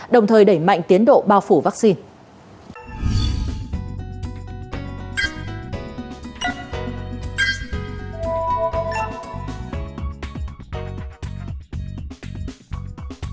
đồng thời đẩy mạnh tiến độ bao phủ vaccine